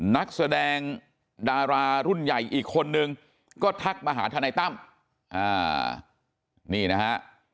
นักแสดงดารารุ่นใหญ่อีกคนนึงก็ทักมาหาทนายตั้มนี่นะฮะ